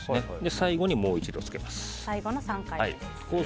最後に、もう一度つけます。